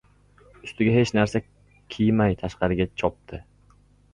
Ustiga hech narsa kiymay tashqariga chopdi